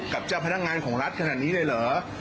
กับเจ้าพนักงานของรัฐขนาดนี้เลยเหรอ